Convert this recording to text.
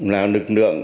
là lực lượng